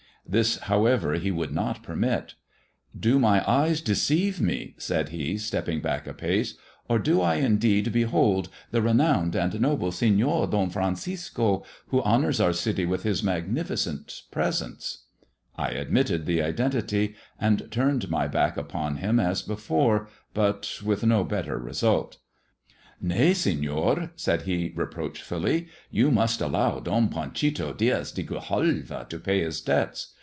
This, however, he would not permit. " Do my eyes deceive me," said he, stepping back a pace, " or do I indeed behold the renowned and noble Senor Don Francisco, who honours our city with his magnificent presence 1 " I admitted the identity, and turned my back upon him as before ; but with no better result. 228 'THE TALE OF THE TURQUOISE SKULL* " Nay, Seiior," said he reproachfully, " you must al Don Panchito Diaz de Grijalva to pay his debts.